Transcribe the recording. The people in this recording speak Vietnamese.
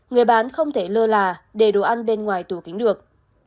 người bán không thể lơ là để đồ ăn bên ngoài tủ kính được